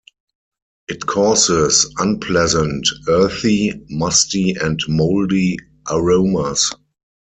It causes unpleasant earthy, musty and moldy aromas.